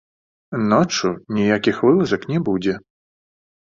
Ноччу ніякіх вылазак не будзе.